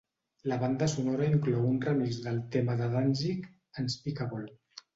La banda sonora inclou un remix del tema de Danzig "Unspeakable".